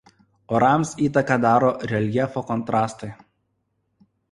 Orams įtaką daro ir reljefo kontrastai.